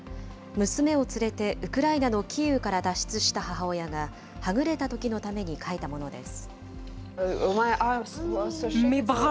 娘を連れて、ウクライナのキーウから脱出した母親が、はぐれたときのために書いたものです。